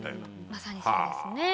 まさにそうですね